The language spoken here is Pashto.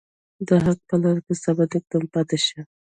د حق په لاره کې ثابت قدم پاتې شئ.